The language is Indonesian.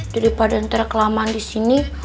daripada ntar kelaman disini